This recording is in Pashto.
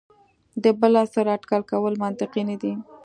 د بل عصر اټکل کول منطقي نه دي.